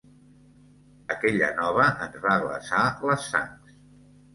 Aquella nova ens va glaçar les sangs.